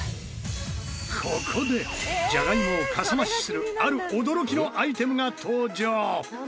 ここでじゃがいもをかさ増しするある驚きのアイテムが登場。